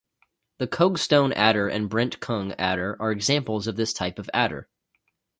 The Kogge-Stone adder and Brent-Kung adder are examples of this type of adder.